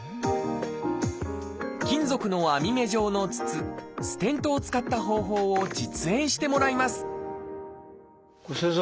金属の網目状の筒「ステント」を使った方法を実演してもらいます先生